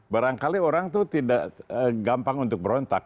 barangkali orang itu tidak gampang untuk berontak